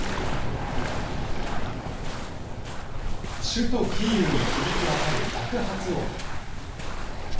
首都キーウに響きわたる爆発音。